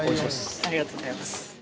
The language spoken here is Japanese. ありがとうございます